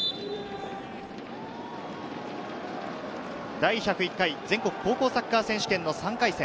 第１０１回全国高校サッカー選手権の３回戦。